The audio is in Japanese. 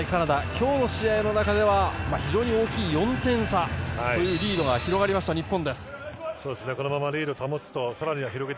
今日の試合の中では非常に大きい４点差というリードが広がりました、日本。